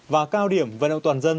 và cao điểm vận động toàn dân